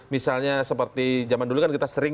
misalnya seperti zaman dulu kan kita sering